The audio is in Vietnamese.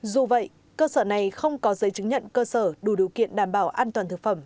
dù vậy cơ sở này không có giấy chứng nhận cơ sở đủ điều kiện đảm bảo an toàn thực phẩm